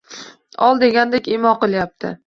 Ol degandek imo qilyapti